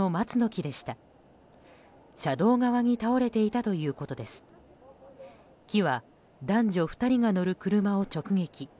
木は男女２人が乗る車を直撃。